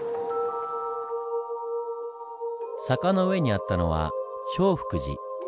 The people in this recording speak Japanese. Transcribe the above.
坂の上にあったのは聖福寺。